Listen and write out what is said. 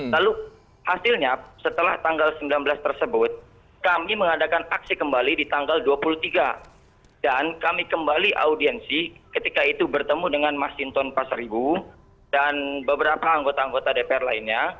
lalu hasilnya setelah tanggal sembilan belas tersebut kami mengadakan aksi kembali di tanggal dua puluh tiga dan kami kembali audiensi ketika itu bertemu dengan masinton pasaribu dan beberapa anggota anggota dpr lainnya